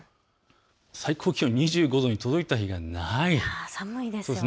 最高気温２５度に届いた日がないんです。